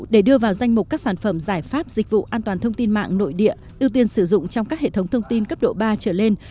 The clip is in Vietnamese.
để đưa vào danh mục các sản phẩm giải pháp dịch vụ an toàn thông tin mạng nội địa ưu tiên sử dụng trong các hệ thống thông tin cấp độ ba trở lên